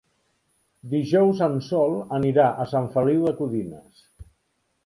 Dijous en Sol anirà a Sant Feliu de Codines.